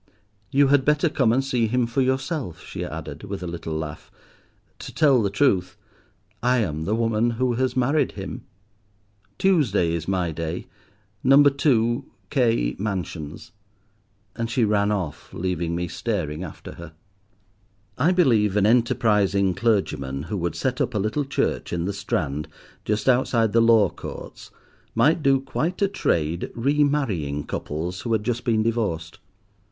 "You had better come and see him for yourself," she added, with a little laugh; "to tell the truth, I am the woman who has married him. Tuesday is my day, Number 2, K— Mansions," and she ran off, leaving me staring after her. I believe an enterprising clergyman who would set up a little church in the Strand, just outside the Law Courts, might do quite a trade, re marrying couples who had just been divorced.